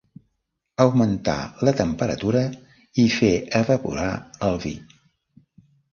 Augmentar la temperatura i fer evaporar el vi.